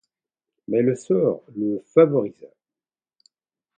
Mais le sort le favorisa.